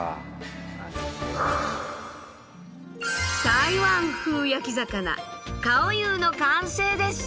台湾風焼き魚カオユーの完成です。